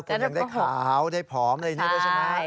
คุณยังได้ขาวได้ผอมอะไรอย่างนี้ด้วยใช่ไหม